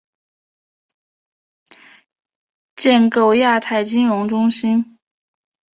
建构亚太金融中心